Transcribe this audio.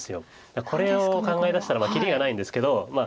これを考えだしたら切りがないんですけどまあ